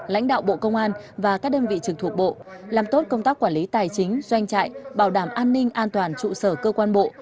lãnh đạo bộ công an và các đơn vị trực thuộc bộ làm tốt công tác quản lý tài chính doanh trại bảo đảm an ninh an toàn trụ sở cơ quan bộ